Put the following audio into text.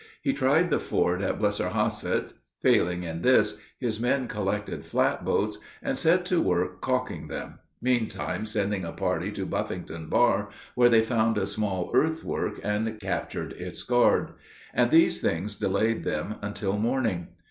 He tried the ford at Blennerhasset. Failing in this, his men collected flatboats, and set to work calking them, meantime sending a party to Buffington Bar, where they found a small earthwork and captured its guard; and these things delayed them until morning.